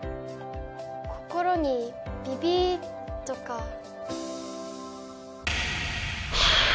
心にビビっとかぁ。